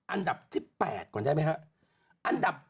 อันดับที่๘ก่อนได้ไหมครับ